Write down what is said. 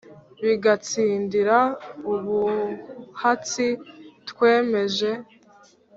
bagatsindira ubuhatsi twejeje,